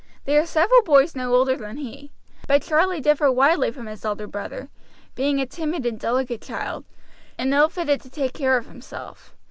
There were several boys no older than he; but Charlie differed widely from his elder brother, being a timid and delicate child, and ill fitted to take care of himself.